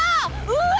うわ！